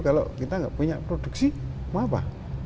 kalau kita nggak punya produksi mau apa